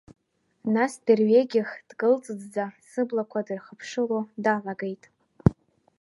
Нас дырҩагьых дкылҵыҵӡа сыблақәа дырхыԥшыло далагеит.